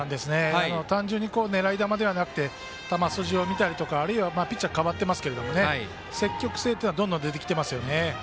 単純に狙い球じゃなくて球筋を見たりとか、あるいはピッチャー代わってますけど積極性というのはどんどん出てきていますよね。